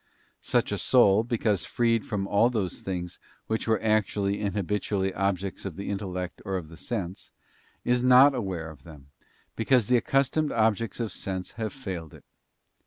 Such a soul, because freed from all those things which were actually and habitually objects of the intellect or of the sense, is not aware of them, because the accustomed objects of sense have failed it.